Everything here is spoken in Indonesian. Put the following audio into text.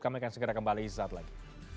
kami akan segera kembali saat lagi